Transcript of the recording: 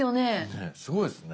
ねっすごいですね。